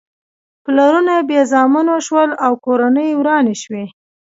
پلرونه بې زامنو شول او کورنۍ ورانې شوې.